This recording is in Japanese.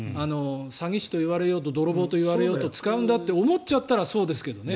詐欺師といわれようと泥棒といわれようと使うんだと思っちゃったらそうですけどね。